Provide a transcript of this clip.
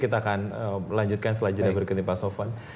kita akan melanjutkan selanjutnya berikutnya pasokan